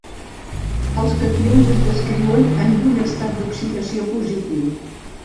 Els cations es descriuen amb un estat d'oxidació positiu.